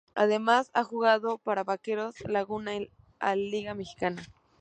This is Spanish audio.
Además ha jugado para Vaqueros Laguna en al Liga Mexicana.